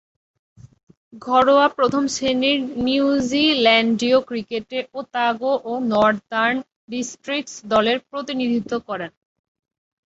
ঘরোয়া প্রথম-শ্রেণীর নিউজিল্যান্ডীয় ক্রিকেটে ওতাগো ও নর্দার্ন ডিস্ট্রিক্টস দলের প্রতিনিধিত্ব করেন।